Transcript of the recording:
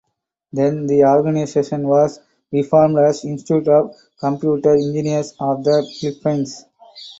Then the organization was reformed as Institute of Computer Engineers of the Philippines.